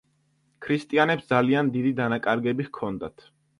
ქრისტიანებს ძალიან დიდი დანაკარგები ჰქონდათ.